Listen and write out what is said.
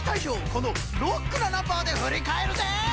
このロックなナンバーでふりかえるぜ！